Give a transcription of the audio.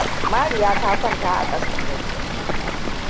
Mariya ta kwanta a kasan gado.